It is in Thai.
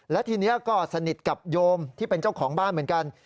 และทีนี้ก็สนิทกับโยมที่เป็นเจ้าของบ้านเหมือนกัน